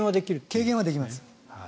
軽減はできます。